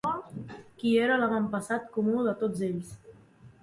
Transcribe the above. Qui era l'avantpassat comú de tots ells?